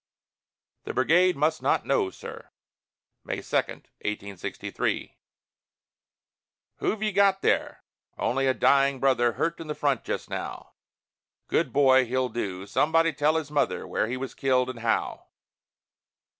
"THE BRIGADE MUST NOT KNOW, SIR!" [May 2, 1863] "Who've ye got there?" "Only a dying brother, Hurt in the front just now." "Good boy! he'll do. Somebody tell his mother Where he was killed, and how."